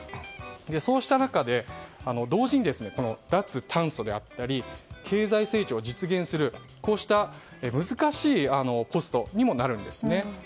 そうした中で、同時に脱炭素であったり経済成長を実現するこうした難しいポストにもなるんですね。